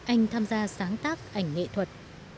anh tham gia sáng tác ảnh nghệ thuật